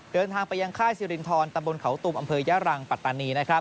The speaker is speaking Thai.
เดินทางไปยังค่ายสิรินทรตำบลเขาตุ๋มอยารังปัตตานี